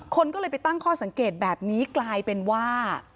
คนก็เลยไปตั้งข้อสังเกตแบบนี้กลายเป็นว่า